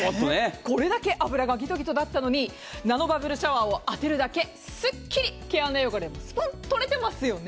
これだけ脂がギトギトだったのにナノバブルシャワーを当てるだけですっきり、毛穴汚れがスパっと取れてますよね。